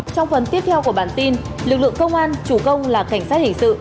trong phần tiếp theo của bản tin lực lượng công an chủ công là cảnh sát hình sự